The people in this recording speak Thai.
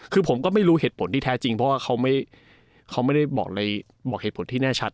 คือผมก็ไม่รู้เหตุผลที่แท้จริงเพราะว่าเขาไม่ได้บอกเหตุผลที่แน่ชัด